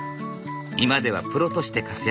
今ではプロとして活躍している。